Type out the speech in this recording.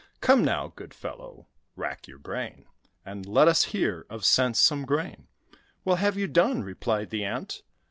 Come, now, good fellow, rack your brain, And let us hear of sense some grain." "Well, have you done?" replied the Ant.